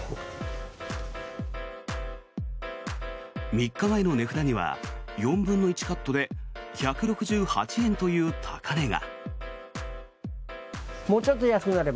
３日前の値札には４分の１カットで１６８円という高値が。